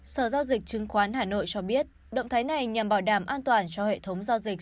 sở giao dịch chứng khoán hà nội cho biết động thái này nhằm bảo đảm an toàn cho hệ thống giao dịch